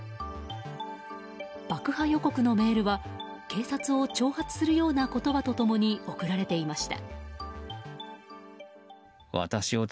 爆破予告のメールは警察を挑発するような言葉と共に送られていました。